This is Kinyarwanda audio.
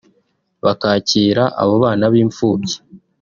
bakakira abo bana b’imfubyi